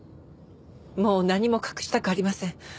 もう何も隠したくありません。